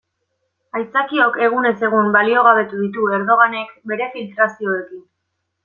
Aitzakiok egunez egun baliogabetu ditu Erdoganek bere filtrazioekin.